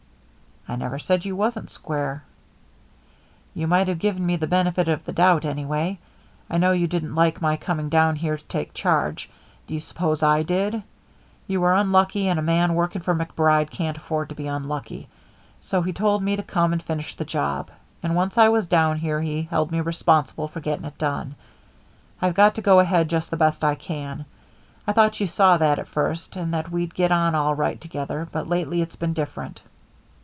"I never said you wasn't square." "You might have given me the benefit of the doubt, anyway. I know you didn't like my coming down here to take charge. Do you suppose I did? You were unlucky, and a man working for MacBride can't afford to be unlucky; so he told me to come and finish the job. And once I was down here he held me responsible for getting it done. I've got to go ahead just the best I can. I thought you saw that at first, and that we'd get on all right together, but lately it's been different."